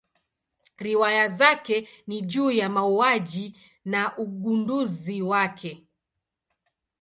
Riwaya zake ni juu ya mauaji na ugunduzi wake.